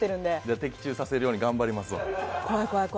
的中させるように頑張りますわ。